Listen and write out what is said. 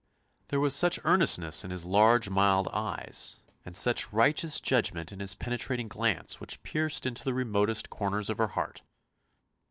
There was such earnestness in his large, mild eyes, and such righteous judgment in his penetrating glance which pierced into the remotest corners of her heart.